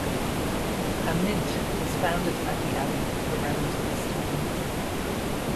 A mint was founded at the Abbey around this time.